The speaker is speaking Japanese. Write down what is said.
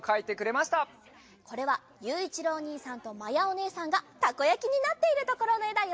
これはゆういちろうおにいさんとまやおねえさんがたこやきになっているところのえだよ。